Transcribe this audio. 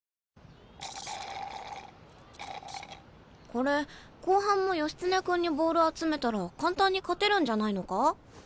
これ後半も義経君にボール集めたら簡単に勝てるんじゃないのか？